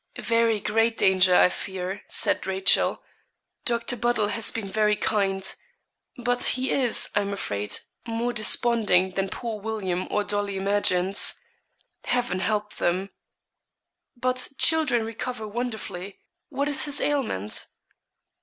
'Very great danger, I fear,' said Rachel. 'Doctor Buddle has been very kind but he is, I am afraid, more desponding than poor William or Dolly imagines Heaven help them!' 'But children recover wonderfully. What is his ailment?'